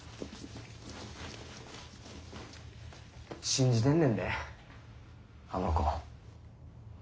信じてんねんであの子。